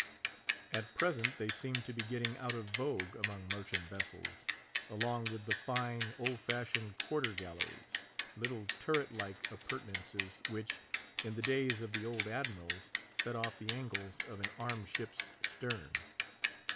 At present they seem to be getting out of vogue among merchant vessels, along with the fine, old fashioned quarter galleries, little turret like ap purtenances, which, in the days of the old Admirals, set off the angles of an armed ship's stern.